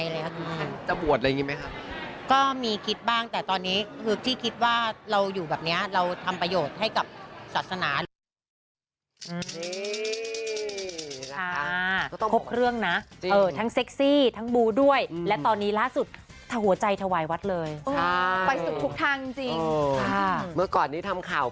เยอะมากจริงนะคะไม่ว่าจะเป็นเวลาออกงานเซ็กซี่ต่างนานา